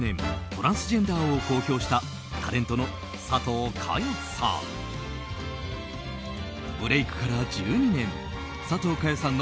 トランスジェンダーを公表したタレントの佐藤かよさん。